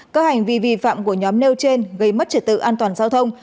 các hành vi vi phạm của nhóm nêu trên gây mất trật tự an toàn giao thông